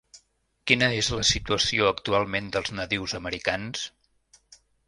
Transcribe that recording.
Quina és la situació actualment dels nadius americans?